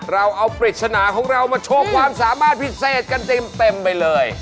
เราเอาปริศนาของเรามาโชว์ความสามารถพิเศษกันเต็มไปเลย